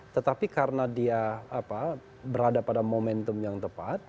tetapi karena dia berada pada momentum yang tepat